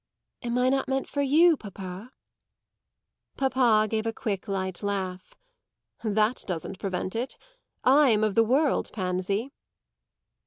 "Am I not meant for you, papa?" Papa gave a quick, light laugh. "That doesn't prevent it! I'm of the world, Pansy."